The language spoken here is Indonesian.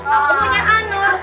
aku maunya anur